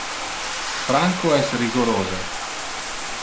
Franco es rigorose.